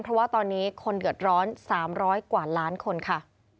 เพราะว่าตอนนี้คนเดือดร้อน๓๐๐กว่าล้านคนค่ะ